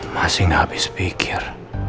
masih gak habis pikir